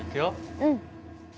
うん。